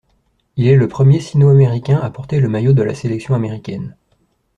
Il est le premier sino-américain à porter le maillot de la sélection américaine.